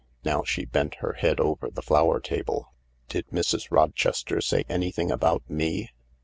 Now she bent her head over the flower table. " Did Mrs. Rochester say anything about me?